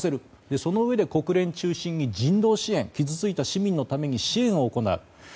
そのうえで国連中心に人道支援、傷ついた市民のために支援を行う。